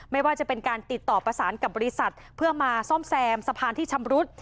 ไม่ว่าจะเป็นการติดต่อประสานกับบริษัทเพื่อมาซ่อมแซมสะพานที่ชำรุด